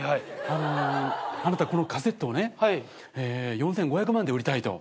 あのあなたこのカセットをねえ４，５００万で売りたいと。